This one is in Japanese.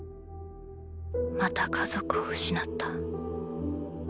また家族を失った。